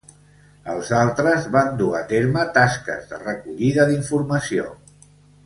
Els altres van dur a terme tasques de recollida d'informació.